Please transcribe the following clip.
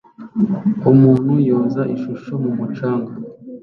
Umuntu yoza ishusho mumucanga